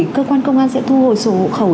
cơ quan công an sẽ thu hồi sổ hộ khẩu